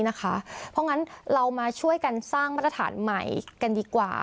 เพราะงั้นเรามาช่วยกันสร้างมาตรฐานใหม่กันดีกว่า